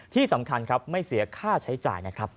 ที่สำคัญครับไม่เสียค่าใช้จ่ายนะครับ